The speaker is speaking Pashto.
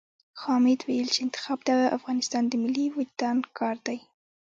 خو حامد ويل چې انتخاب د افغانستان د ملي وُجدان کار دی.